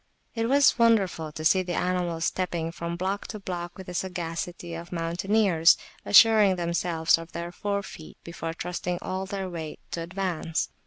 It was wonderful to see the animals stepping from block to block with the sagacity of mountaineers; assuring themselves of their forefeet before trusting all their weight to advance.